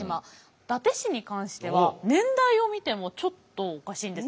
伊達市に関しては年代を見てもちょっとおかしいんです。